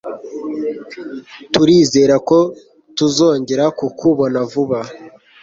Turizera ko tuzongera kukubona vuba.